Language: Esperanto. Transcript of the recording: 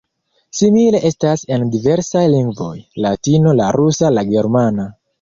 Simile estas en diversaj lingvoj: Latino, la rusa, la germana.